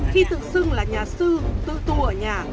khi tự xưng là nhà sư tự tu ở nhà